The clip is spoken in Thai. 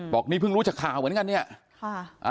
บอกนี่เพิ่งรู้จากข่าวเหมือนกันเนี่ย